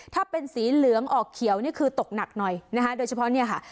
ถ้าเป็นสีเหลืองออกเขียวนี่คือตกหนักหน่อยนะคะโดยเฉพาะเนี่ยค่ะ